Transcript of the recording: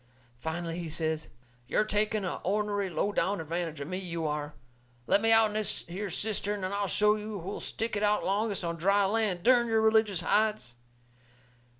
Finally he says: "You're taking a ornery, low down advantage o' me, you are. Let me out'n this here cistern and I'll show you who'll stick it out longest on dry land, dern your religious hides!"